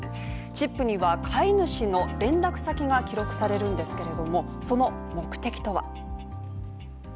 チップには、飼い主の連絡先が記録されるんですけれどもその目的とは。